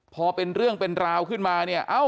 พอเป็นเรื่องเป็นราวขึ้นมาเนี่ย